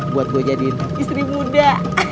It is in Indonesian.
buat gue jadiin istri muda